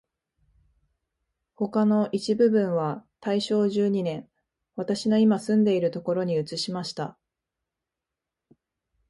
他の一部分は大正十二年、私のいま住んでいるところに移しました